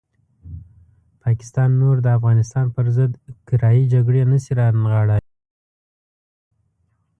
پاکستان نور د افغانستان پرضد کرایي جګړې نه شي رانغاړلی.